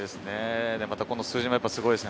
この数字もすごいですね。